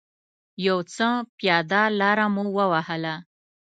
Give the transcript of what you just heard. یو څه پیاده لاره مو و وهله.